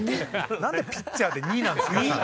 なんでピッチャーで「２」なんですか。